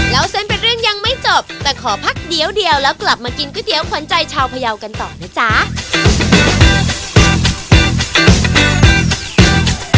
แล้วเส้นเป็นเรื่องยังไม่จบแต่ขอพักเดียวแล้วกลับมากินก๋วยเตี๋ยวขวัญใจชาวพยาวกันต่อนะจ๊ะ